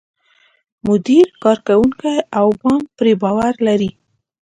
مدیر، کارکوونکي او بانک پرې باور لري.